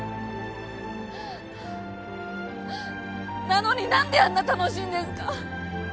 なのに何であんな楽しいんですか？